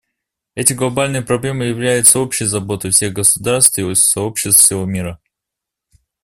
Эти глобальные проблемы являются общей заботой всех государств и сообществ всего мира.